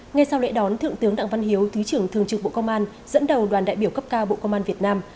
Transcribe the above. ngay sau lễ đón thượng tướng đặng văn hiếu thứ trưởng thường trực bộ công an dẫn đầu đoàn đại biểu cấp cao bộ công an việt nam